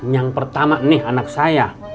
yang pertama nih anak saya